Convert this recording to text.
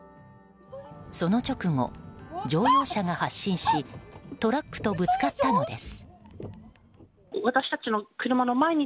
その直後、乗用車が発進しトラックとぶつかったのです。